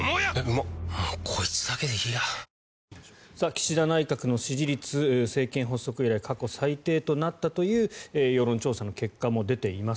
岸田内閣の支持率政権発足以来過去最低となったという世論調査の結果も出ています。